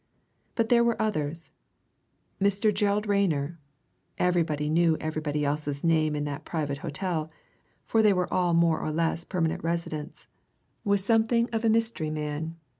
But there were others. Mr. Gerald Rayner everybody knew everybody else's name in that private hotel, for they were all more or less permanent residents was something of a mystery man.